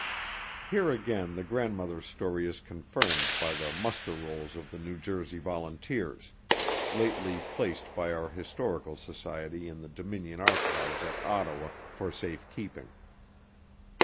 Here again the grandmother's story is confirmed by the Muster Rolls of the New Jersey Volunteers, lately placed by our Historical Society in the Dominion Archives at Ottawa for safe keeping.